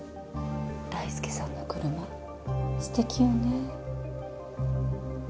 大介さんの車すてきよね